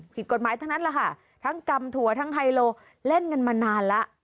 ผิดกฎหมายทั้งนั้นแหละค่ะทั้งกำถั่วทั้งไฮโลเล่นกันมานานแล้ว